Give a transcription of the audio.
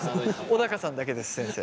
小高さんだけです先生。